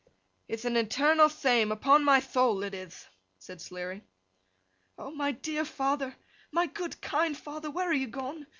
'Ith an internal thame, upon my thoul it ith,' said Sleary. 'O my dear father, my good kind father, where are you gone?